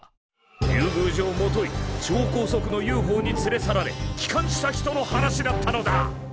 竜宮城もといちょうこうそくのＵＦＯに連れ去られ帰還した人の話だったのだ。